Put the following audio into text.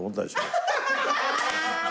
ハハハハッ！